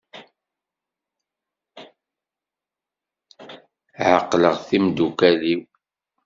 Ɛeqleɣ timeddukal-iw.